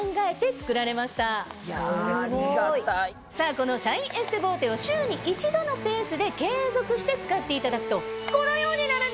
このシャインエステボーテを週に１度のペースで継続して使っていただくとこのようになるんです！